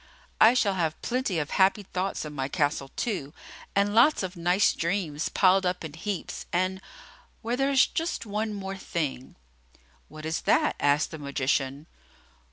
I shall have plenty of happy thoughts in my castle, too, and lots of nice dreams piled up in heaps, and well, there is just one thing more." "What is that?" asked the magician.